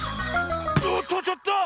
おっとちょっと！